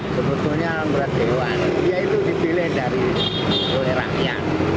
sebetulnya berat dewan dia itu dibeli oleh rakyat